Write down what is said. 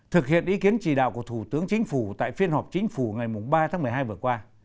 thực hiện ý kiến chỉ đạo của thủ tướng chính phủ tại phiên họp chính phủ ngày ba tháng một mươi hai vừa qua